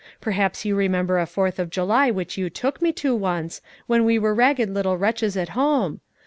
Perhaps you remember a Fourth of July which you took me to once, when we were ragged little wretches at home?